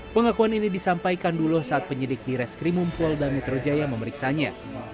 pengakuan ini disampaikan duloh saat penyidik di reskrimumpol dan metro jaya memeriksanya